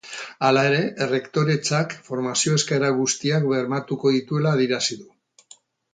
Hala ere, errektoretzak formazio eskaera guztiak bermatuko dituela adierazi du.